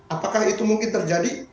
apakah itu mungkin terjadi